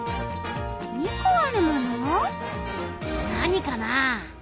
なにかな？